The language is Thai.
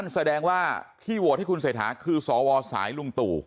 แสดงว่าที่โหวตให้คุณเศรษฐาคือสวสายลุงตู่